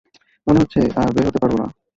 মনে হচ্ছে আর বের হতে পারব না।